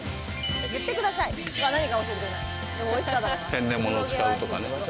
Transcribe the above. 天然物を使うとかね。